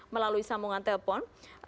melalui sambungan telepon